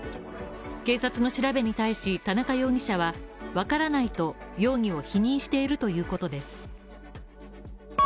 警察の調べに対し、田中容疑者は分からないと容疑を否認しているということです。